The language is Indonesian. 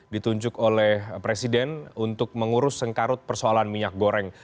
ditunjuk oleh presiden untuk mengurus sengkarut persoalan minyak goreng